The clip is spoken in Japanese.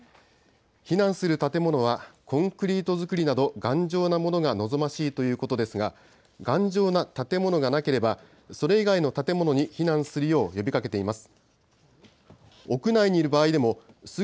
避難する建物は、コンクリート造りなど頑丈なものが望ましいということですが、頑丈な建物がなければ、それ以外の建物に避難するよう呼びかけています。